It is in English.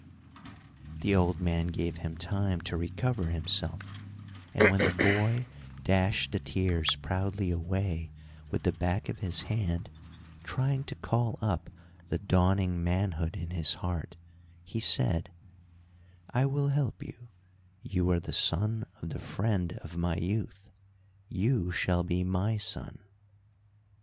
The old man gave him time to recover himself and when the boy dashed the tears proudly away with the back of his hand, trying to call up the dawning manhood in his heart, he said: "I will help you, you are the son of the friend of my youth, you shall be my son."